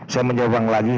saya menyebrang lagi